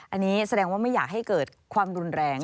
อันนี้แสดงว่าไม่อยากให้เกิดความรุนแรง